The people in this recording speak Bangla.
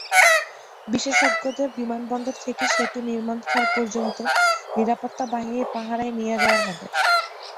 বিশেষজ্ঞদের বিমানবন্দর থেকে সেতু নির্মাণস্থল পর্যন্ত নিরাপত্তা বাহিনীর পাহারায় নিয়ে যাওয়া হবে।